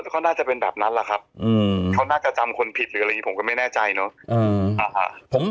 ก็น่าจะเป็นแบบนั้นแหละครับเขาน่าจะจำคนผิดหรืออะไรอย่างนี้ผมก็ไม่แน่ใจเนอะ